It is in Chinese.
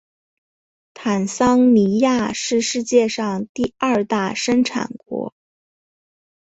坦桑尼亚是世界上第二大生产国。